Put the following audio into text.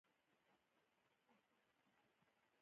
په ټوله کوڅه کې څلور ستنې ولاړې دي.